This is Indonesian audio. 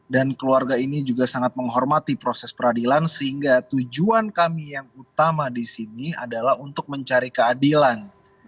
dan keluarga ini juga sangat menghormati proses peradilan sehingga tujuan kami yang utama di sini adalah untuk mencari keadilan